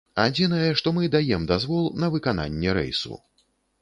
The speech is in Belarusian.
Адзінае, што мы даем дазвол на выкананне рэйсу.